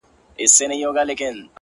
داسې راشیندي